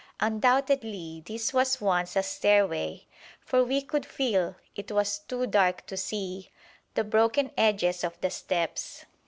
Undoubtedly this was once a stairway, for we could feel (it was too dark to see) the broken edges of the steps.